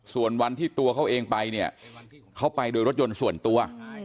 ส่วนวันที่ตัวเขาเองไปเนี่ยเขาไปโดยรถยนต์ส่วนตัว